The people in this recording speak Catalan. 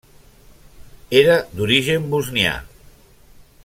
Era d'origen bosnià.